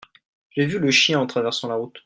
j'ai vu le chien en traversant la route.